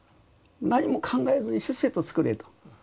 何も考えずにせっせと作れと。